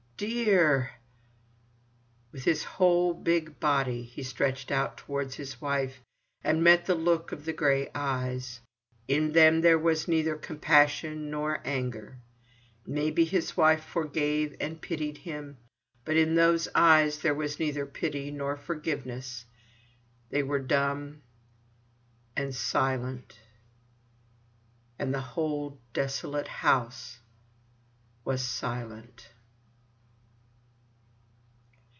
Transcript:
"Dear!" With his whole big body he stretched out towards his wife, and met the look of the grey eyes. In them there was neither compassion nor anger. Maybe his wife forgave and pitied him, but in those eyes there was neither pity nor forgiveness. They were dumb and silent. And the whole desolate house was silent.